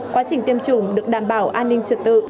quá trình tiêm chủng được đảm bảo an ninh trật tự